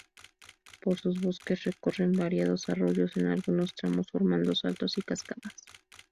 Por sus bosques recorren variados arroyos, en algunos tramos formando Saltos y Cascadas.